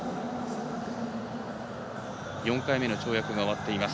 ４回目の跳躍終わっています。